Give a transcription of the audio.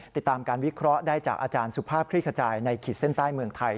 ติดตามการวิเคราะห์ได้จากอาจารย์สุภาพคลี่ขจายในขีดเส้นใต้เมืองไทย